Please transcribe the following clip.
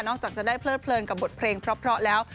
จากจะได้เพลิดเลินกับบทเพลงเพราะแล้ว